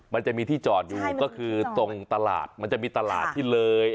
มันจะมีที่จอดอยู่ก็คือตรงตลาดมันจะมีตลาดที่เลย